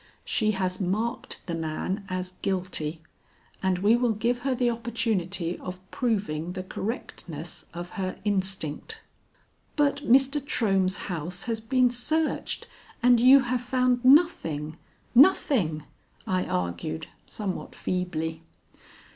She has marked the man as guilty, and we will give her the opportunity of proving the correctness of her instinct." "But Mr. Trohm's house has been searched, and you have found nothing nothing," I argued somewhat feebly.